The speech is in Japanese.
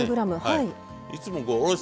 はい。